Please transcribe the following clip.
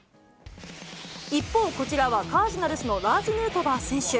一方、こちらはカージナルスのラーズ・ヌートバー選手。